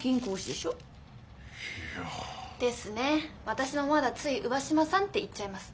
私もまだつい上嶋さんって言っちゃいます。